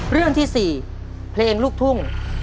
เรื่องที่๔เพลงลูกทุ่ง